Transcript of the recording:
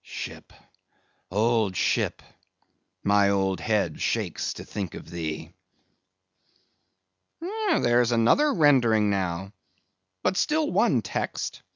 Ship, old ship! my old head shakes to think of thee." "There's another rendering now; but still one text.